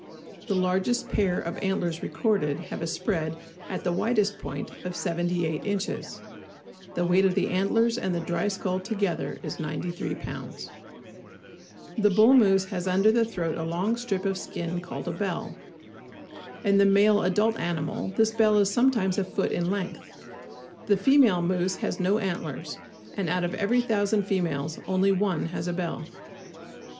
The largest pair of antlers recorded have a spread, at the widest point, of 78 inches. The weight of the antlers and the dry skull together is 93 pounds. The bull moose has under the throat a long strip of skin called a "bell." In the adult male animal this bell is sometimes a foot in length The female moose has no antlers, and out of every thousand females only one has a bell.